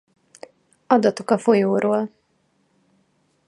Adatok a folyóról